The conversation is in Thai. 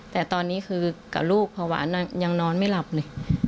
แต่ตอนนี้คือกับลูกภาวะยังนอนไม่หลับเลย